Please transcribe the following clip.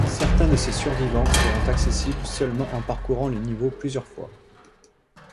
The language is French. Certains de ces survivants seront accessibles seulement en parcourant les niveaux plusieurs fois.